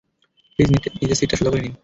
Please নিজের সিটটা সোজা করে নিন।